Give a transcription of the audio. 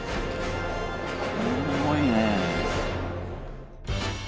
すごいね。